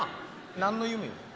何の夢よ？